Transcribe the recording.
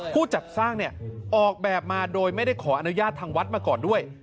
ผู้จัดสร้างออกแบบมาโดยไม่ได้ขออนุญาตทางวัดมาก่อนด้วย